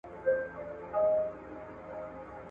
په هره تياره پسې رڼا ده.؟